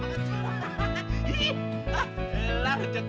ya udah sekarang ya nongplok